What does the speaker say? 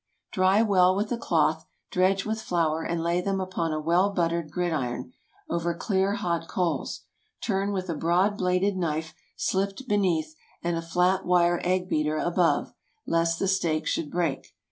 ✠ Dry well with a cloth, dredge with flour, and lay them upon a well buttered gridiron, over clear hot coals. Turn with a broad bladed knife slipped beneath, and a flat wire egg beater above, lest the steak should break.